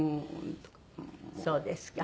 そうですか。